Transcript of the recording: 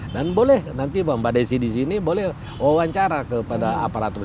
dan boleh nanti mbak aisyah di sini boleh wawancara kepada aparat sipil